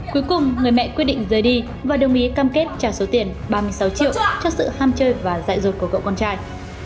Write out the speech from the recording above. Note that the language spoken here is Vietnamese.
cuối cùng người mẹ quyết định rời đi và đồng ý cam kết trả số tiền ba mươi sáu triệu cho sự ham chơi và dạy dột của cậu con trai